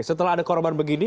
setelah ada korban begini